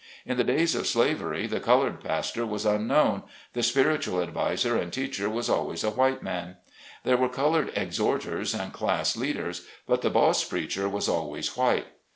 In the days of slavery the colored pastor was unknown, the spiritual adviser and teacher was always a white man. There were colored exhorters and class leaders, but the boss preacher was always white.